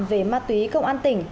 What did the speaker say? về ma túy công an tỉnh